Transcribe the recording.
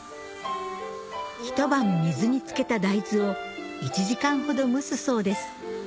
一晩水に漬けた大豆を１時間ほど蒸すそうです